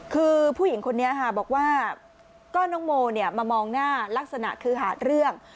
คือผู้หญิงคนนี้ค่ะบอกว่าก็น้องโมมามองหน้าลักษณะคือหาดเรื่อง